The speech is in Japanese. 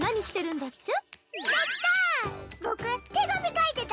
できた！